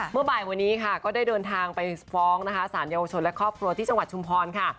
เมื่อบ่ายวันนี้ค่ะก็ได้เดินทางไปฟ้องนะคะสารเยาวชนและครอบครัวที่จังหวัดชุมพรค่ะ